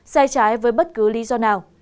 sai trái với bất cứ lý do nào